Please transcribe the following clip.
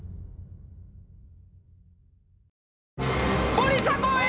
森迫永依！